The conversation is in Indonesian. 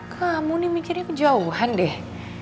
kamu nih mikirnya kejauhan deh